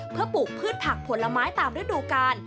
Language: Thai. เพื่อปลูกพืชผักผลไม้ตามฤดูกาล